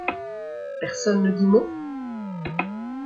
Personne ne dit mot ?